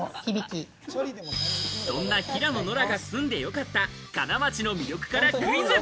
そんな平野ノラが住んでよかった金町の魅力からクイズ。